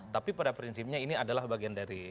tapi pada prinsipnya ini adalah bagian dari